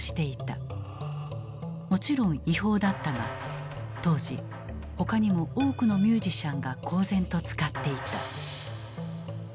もちろん違法だったが当時他にも多くのミュージシャンが公然と使っていた。